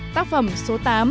tác phẩm số tám